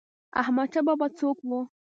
احمد شاه بابا څوک و؟